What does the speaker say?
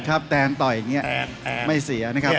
แตนต่อยอย่างนี้ไม่เสียนะครับ